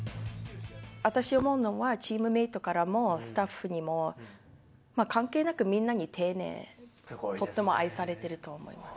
私思うのは、チームメートからも、スタッフにも、関係なくみんなに丁寧、とっても愛されてると思います。